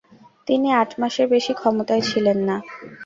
তিনি আট মাসের বেশি ক্ষমতায় ছিলেন না।